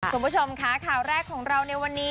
คุณผู้ชมค่ะข่าวแรกของเราในวันนี้